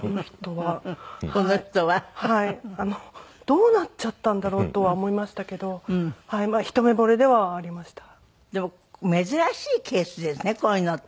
どうなっちゃったんだろう？とは思いましたけど一目惚れではありました。